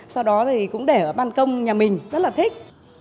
sau đó thì cũng để ở ban công nhà mình rất là thích